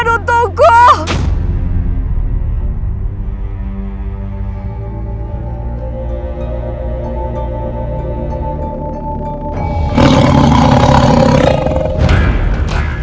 bukankah kanda mencintaiku